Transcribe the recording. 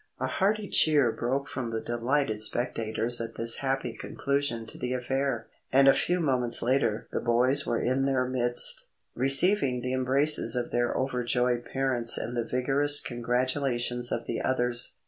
A hearty cheer broke from the delighted spectators at this happy conclusion to the affair, and a few moments later the boys were in their midst, receiving the embraces of their overjoyed parents and the vigorous congratulations of the others.